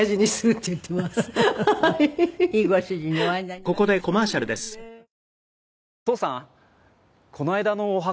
いいご主人にお会いになりましたね。